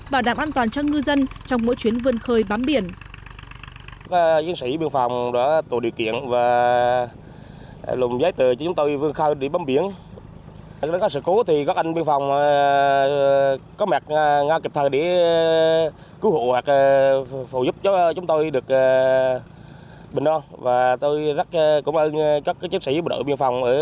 bảo đảm an toàn cho ngư dân trong mỗi chuyến vươn khơi bám biển